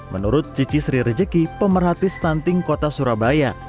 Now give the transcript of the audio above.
menurut cici sri rejeki pemerhati stunting kota surabaya